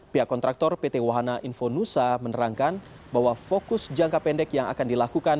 pihak kontraktor pt wahana infonusa menerangkan bahwa fokus jangka pendek yang akan dilakukan